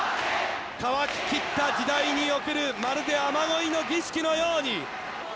乾ききった時代におけるまるで雨乞いの儀式のように。